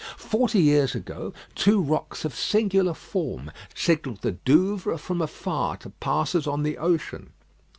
Forty years ago, two rocks of singular form signalled the Douvres from afar to passers on the ocean.